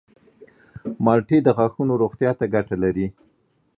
مالټې د غاښونو روغتیا ته ګټه لري.